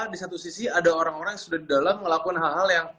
di satu sisi ada orang orang yang sudah di dalam melakukan hal hal yang